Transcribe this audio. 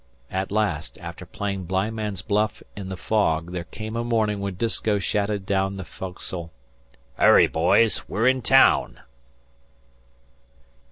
At last, after playing blindman's buff in the fog, there came a morning when Disko shouted down the foc'sle: "Hurry, boys! We're in taown!"